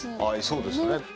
はいそうですね。